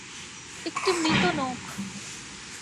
একটি মৃত নখ।